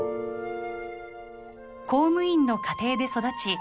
公務員の家庭で育ち